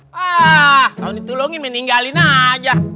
pak kalau ditolongin mendinggalin aja